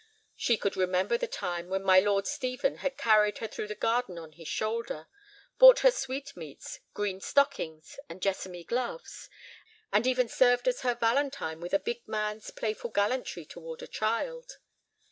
She could remember the time when my Lord Stephen had carried her through the garden on his shoulder; bought her sweetmeats, green stockings, and jessamy gloves; and even served as her valentine with a big man's playful gallantry toward a child.